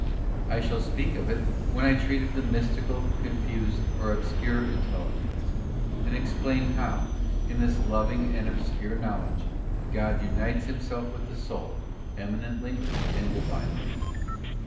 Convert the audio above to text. I shall speak of it when I treat of the'mystical, confused, or obscure intelligence, and explain how, in this loving and obscure knowledge, God unites Himself with the soul, eminently and Divinely.